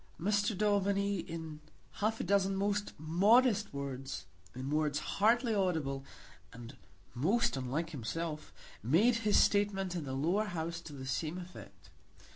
Mr. Daubeny, in half a dozen most modest words, in words hardly audible, and most unlike himself, made his statement in the Lower House to the same effect.